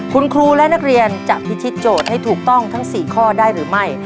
คุณครูและนักเรียนจะพิธิโจทย์ให้ถูกต้องทั้ง๔ข้อได้หรือไม่